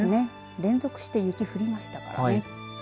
連続して雪、降りましたからね。